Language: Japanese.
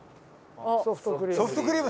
ソフトクリーム。